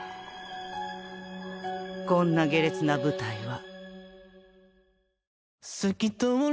こんな下劣な舞台は。